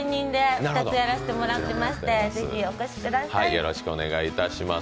よろしくお願いします。